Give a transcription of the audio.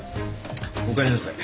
おかえりなさい。